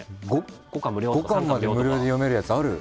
５巻まで無料で読めるやつある！